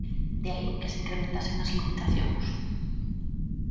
De aí que se incrementasen as limitacións.